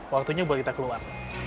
waktunya buat kita keluar